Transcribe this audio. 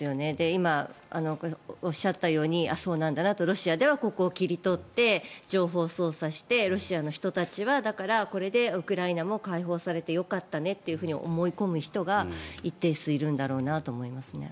今、おっしゃったようにそうなんだなとロシアではここを切り取って情報操作してロシアの人たちはだから、これでウクライナも解放されてよかったねと思い込む人が一定数いるんだろうなと思いますね。